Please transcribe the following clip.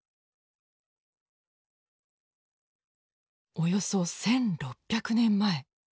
およそ１，６００年前。